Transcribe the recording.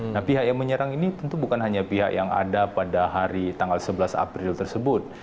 nah pihak yang menyerang ini tentu bukan hanya pihak yang ada pada hari tanggal sebelas april tersebut